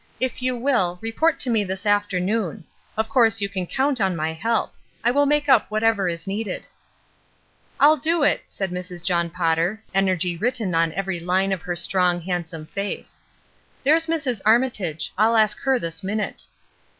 If you will, report to me this afternoon. Of course you can count on my help. I will make up whatever is needed." ''Ill do it," said Mrs. John Potter, energy written on every line of her strong, handsome face. "There's Mrs. Armitage; I'll ask her this minute."